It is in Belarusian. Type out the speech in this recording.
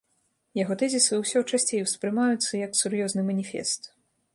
Яго тэзісы ўсё часцей успрымаюцца як сур'ёзны маніфест.